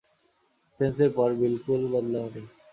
এথেন্সের পর বিলকুল বদলাওনি।